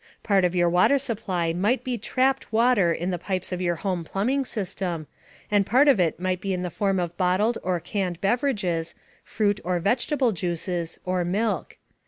Part of your water supply might be "trapped" water in the pipes of your home plumbing system, and part of it might be in the form of bottled or canned beverages, fruit or vegetable juices, or milk.